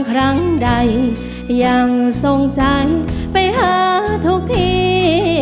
ครั้งใดยังทรงใจไปหาทุกที